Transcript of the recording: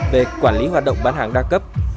về quản lý hoạt động bán hàng đa cấp